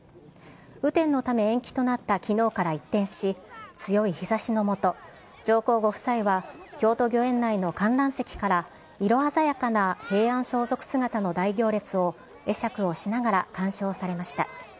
雨天のため延期となったきのうから一転し、強い日ざしの下、上皇ご夫妻は京都御苑内の観覧席から色鮮やかな平安装束姿の大行列を会釈をしながら鑑賞されました。